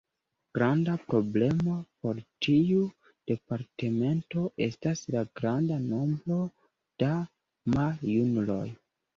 Granda problemo por tiu departemento estas la granda nombro da maljunuloj.